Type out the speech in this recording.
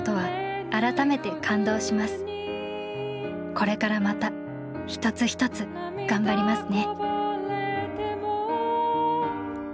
これからまた一つ一つがんばりますね」。